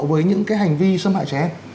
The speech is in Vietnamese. với những hành vi xâm hại trẻ em